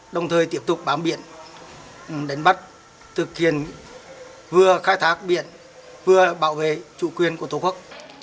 đồng thời tiếp tục bám biển đánh bắt thực hiện vừa khai thác biển vừa bảo vệ chủ quyền của tổ quốc